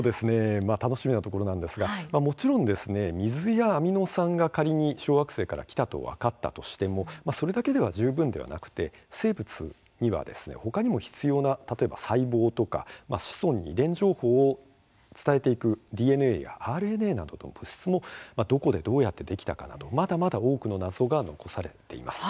楽しみなところなんですがもちろん水やアミノ酸が仮に小惑星からきたと分かったとしてもそれだけでは十分ではなくて生物には、ほかにも必要な例えば、細胞とか子孫に遺伝情報を伝えていくＤＮＡやＲＮＡなどの物質もどこでどうやってできたかなどまだまだ多くの謎が残されています。